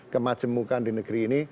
kemajemukan di negeri ini